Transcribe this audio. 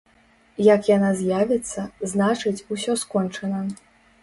Як яна з'явіцца, значыць, усё скончана.